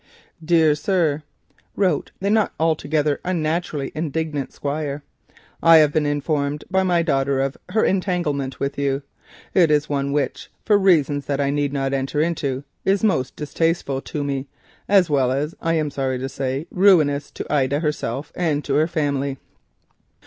"Dear Sir," wrote the not unnaturally indignant Squire, "I have been informed by my daughter Ida of her entanglement with you. It is one which, for reasons that I need not enter into, is distasteful to me, as well as, I am sorry to say, ruinous to Ida herself and to her family.